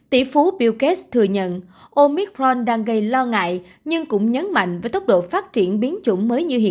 tỷ phú bill gates thừa nhận omicron đang gây lo ngại nhưng cũng nhấn mạnh với tốc độ phát triển biến chủng mới